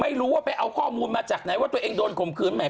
ไม่รู้ว่าไปเอาข้อมูลมาจากไหนว่าตัวเองโดนข่มขืนแหม